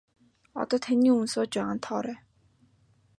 Одоо таны өмнө сууж байгаа нь Тоорой.